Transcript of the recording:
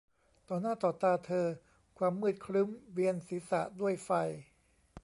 ต่อหน้าต่อตาเธอความมืดครึ้มเวียนศีรษะด้วยไฟ